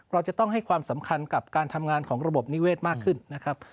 เราจะต้องให้ความสำคัญกับการทำงานของระบบนิเวศมากขึ้นนะครับ